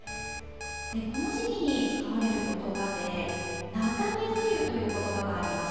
この時期に使われることばで、菜種梅雨ということばがあります。